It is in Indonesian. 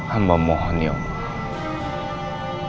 hamba mohon ya allah